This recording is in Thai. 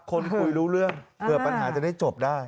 คนคุยรู้เรื่องเผื่อปัญหาจะได้จบได้